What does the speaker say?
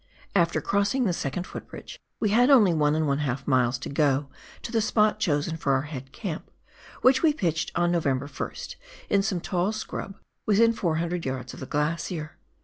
After crossing the second footbridge, we only had Ij miles to go to the spot chosen for our head camp, which we pitched on November 1st, in some tall scrub within 400 yards of the glacier.